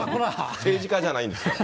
政治家じゃないんですから。